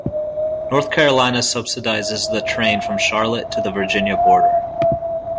North Carolina subsidizes the train from Charlotte to the Virginia border.